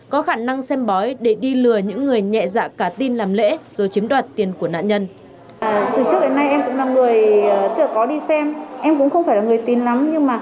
có khả năng xem bói để đi lừa những người nhẹ dạ cả tin làm lễ rồi chiếm đoạt tiền của nạn nhân